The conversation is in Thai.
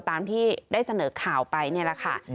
ตามที่ได้เสนอข่าวไปนี่แหละค่ะ